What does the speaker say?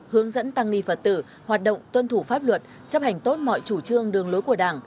hướng dẫn tăng ni phật tử hoạt động tuân thủ pháp luật chấp hành tốt mọi chủ trương đường lối của đảng